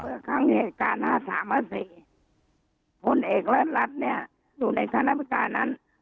เผื่อครั้งเหตุการณ์ห้าสามหรือสี่คนเอกและรัฐเนี้ยอยู่ในคณะประการนั้น